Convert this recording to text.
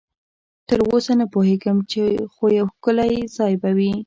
تراوسه نه پوهېږم، خو یو ښکلی ځای به وي.